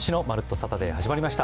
サタデー」始まりました。